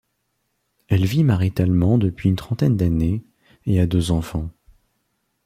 Elle vit maritalement depuis une trentaine d'années, et a deux enfants.